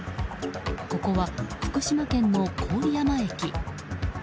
ここは福島県の郡山駅。